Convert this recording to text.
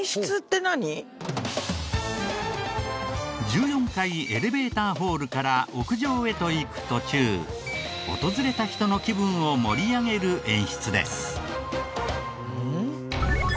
１４階エレベーターホールから屋上へと行く途中訪れた人の気分を盛り上げる演出です。